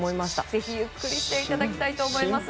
ぜひ、ゆっくりしていただきたいと思います。